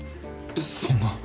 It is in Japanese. そんな